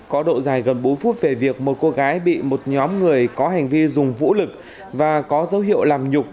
có độ dài gần bốn phút về việc một cô gái bị một nhóm người có hành vi dùng vũ lực và có dấu hiệu làm nhục